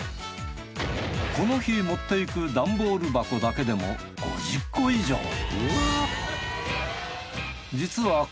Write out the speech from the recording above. この日持っていく段ボール箱だけでも５０個以上。